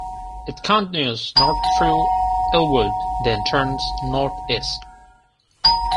It continues north through Elwood, then turns northeast.